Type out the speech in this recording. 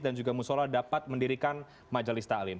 dan juga musyola dapat mendirikan majelis taklim